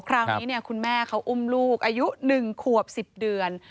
คราวนี้คุณแม่เขาอุ้มลูกอายุ๑ขวบ๑๐เดือน